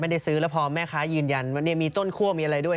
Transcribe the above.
ไม่ได้ซื้อแล้วพอแม่ค้ายืนยันว่ามีต้นคั่วมีอะไรด้วย